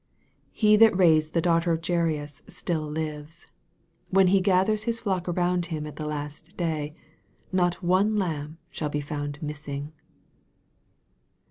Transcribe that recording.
He that raised the daughter of Jairus still lives. When Ha gathers His flock around Him at the last day, not one lamb shall be found missing, MARK, CHAP.